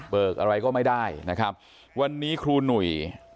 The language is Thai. อะไรก็ไม่ได้นะครับวันนี้ครูหนุ่ย